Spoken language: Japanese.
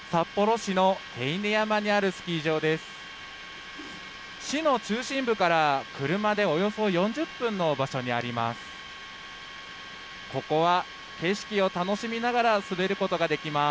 市の中心部から車でおよそ４０分の場所にあります。